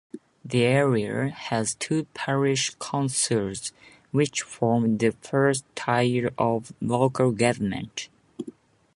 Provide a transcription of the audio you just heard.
The area has two parish councils which form the first tier of local government.